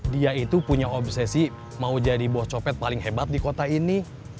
dia itu punya obsesi mau jadi buah copet paling hebat di kota ini